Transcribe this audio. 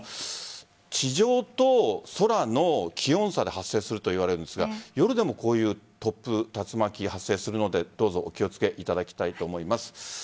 地上と空の気温差で発生するといわれているんですが夜でも竜巻、発生するのでどうぞお気をつけいただきたいと思います。